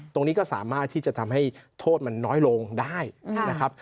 ตรงนี้ก็สามารถที่จะทำให้โทษมันน้อยลงได้นะครับ